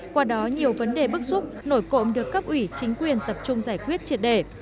qua đó nhiều vấn đề bức xúc nổi cộng được cấp ủy chính quyền tập trung giải quyết triệt đề